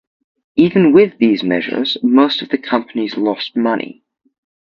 Even with these measures most of the companies lost money.